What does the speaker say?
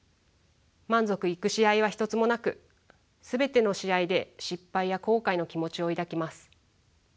満足いく試合は一つもなく全ての試合で失敗や後悔の気持ちを抱きます。